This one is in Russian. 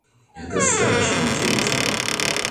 Это страшно интересно!